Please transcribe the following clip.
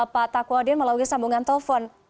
pak takwadin melalui sambungan telepon